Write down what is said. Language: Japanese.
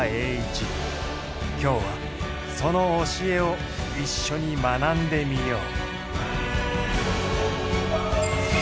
今日はその教えを一緒に学んでみよう。